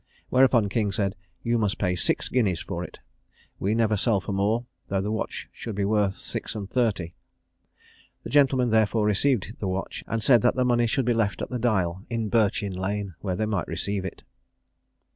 Whereupon King said, "You must pay six guineas for it. We never sell for more, though the watch should be worth six and thirty." The gentleman therefore received the watch, and said that the money should be left at the Dial, in Birchin lane, where they might receive it.